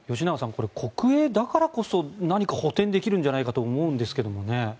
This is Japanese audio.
これ、国営だからこそ何か補てんできるんじゃないかと思うんですけどね。